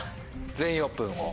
「全員オープン」を？